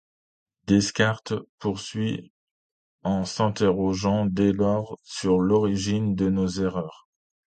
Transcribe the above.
Descartes poursuit en s'interrogeant dès lors sur l'origine de nos erreurs.